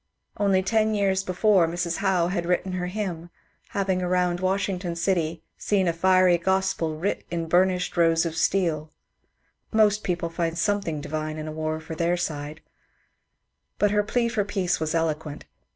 Only ten years before Mrs. Howe had written her hymn, having aroimd Washing ton city ^^ seen a fiery gospel writ in burnished rows of steel " (most people find something divine in a war for their side), but her plea for peace was eloquent.